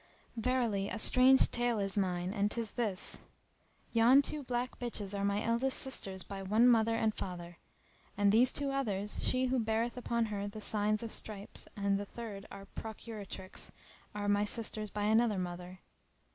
Verily a strange tale is mine and 'tis this:—Yon two black bitches are my eldest sisters by one mother and father; and these two others, she who beareth upon her the signs of stripes and the third our procuratrix are my sisters by another mother.